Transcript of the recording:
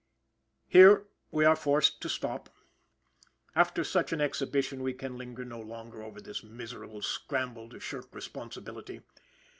Here we are forced to stop. After such an exhibition, we can linger no longer over this miserable scramble to shirk responsibility.